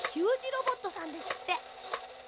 ロボットさんですって。